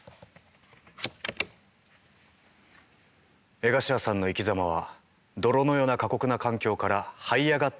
江頭さんの生きざまは泥のような過酷な環境からはい上がってこそ輝くのです。